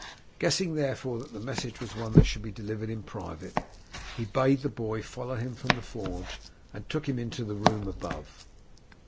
Guessing, therefore, that the message was one that should be delivered in private, he bade the boy follow him from the forge and took him into the room above.